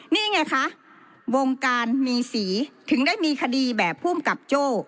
นี่ไงคะวงการมีสีถึงได้มีคดีแบบภูมิกับโจ้